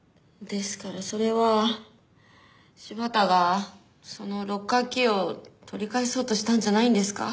ですからそれは柴田がそのロッカーキーを取り返そうとしたんじゃないんですか？